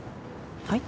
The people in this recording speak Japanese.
はい？